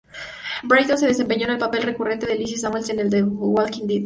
Brighton se desempeñó en el papel recurrente de Lizzie Samuels en The Walking Dead.